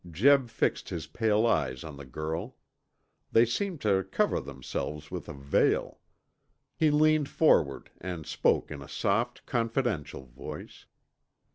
Jeb fixed his pale eyes on the girl. They seemed to cover themselves with a veil. He leaned forward and spoke in a soft confidential voice.